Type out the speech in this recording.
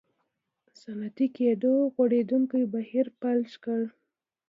صنعتي کېدو غوړېدونکی بهیر فلج کړل.